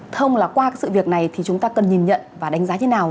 thông là qua sự việc này thì chúng ta cần nhìn nhận và đánh giá như thế nào